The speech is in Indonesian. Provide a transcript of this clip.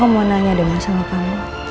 aku mau nanya dengan semua kamu